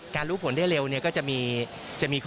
การรู้ผลเร็วก็จะมีข้อดี